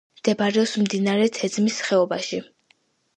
მდებარეობს მდინარე თეძმის ხეობაში.